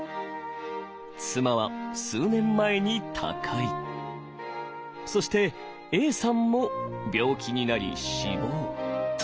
妻は数年前に他界そしてＡさんも病気になり死亡。